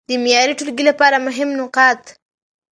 د معياري ټولګي لپاره مهم نقاط: